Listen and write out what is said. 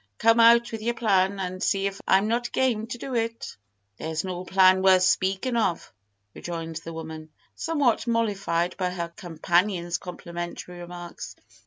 Come, out with your plan, and see if I'm not game to do it." "There's no plan worth speakin' of," rejoined the woman, somewhat mollified by her companion's complimentary remarks.